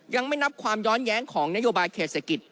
ยังไม่นับความย้อนแย้งของนโยบายเขตเศรษฐกิจ